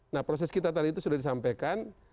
nah proses kita tadi itu sudah disampaikan